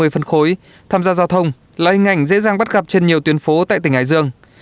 ba mươi phân khối tham gia giao thông là hình ảnh dễ dàng bắt gặp trên nhiều tuyến phố tại tỉnh hải dương